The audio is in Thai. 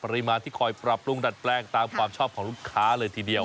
มาที่คอยปรับปรุงดัดแปลงตามความชอบของลูกค้าเลยทีเดียว